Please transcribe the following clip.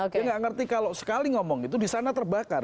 dia nggak ngerti kalau sekali ngomong itu di sana terbakar